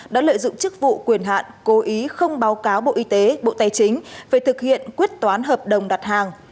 đã lợi dụng chức vụ quyền hạn cố ý không báo cáo bộ y tế bộ tài chính về thực hiện quyết toán hợp đồng đặt hàng